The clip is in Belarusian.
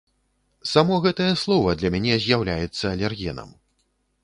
Само гэтае слова для мяне з'яўляецца алергенам.